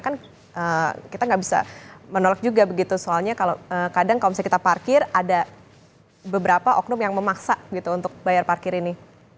kadang kalau misalnya kita parkir ada beberapa oknum yang memaksa untuk bayar parkir ini